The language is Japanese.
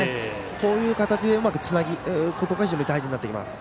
こういう形でうまくつなぐことが大事になってきます。